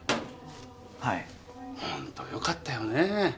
はいほんとよかったよね